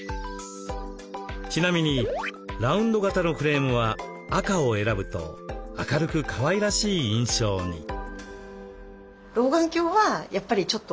ちなみにラウンド型のフレームは赤を選ぶと明るくかわいらしい印象に。